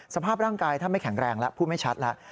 สภาพร่างกายท่านไม่แข็งแรงแล้วพูดไม่ชัดแล้ว